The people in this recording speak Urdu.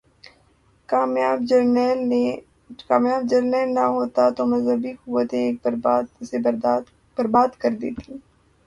کامیاب جرنیل نہ ہوتا تو مذہبی قوتیں اسے برباد کر دیتیں۔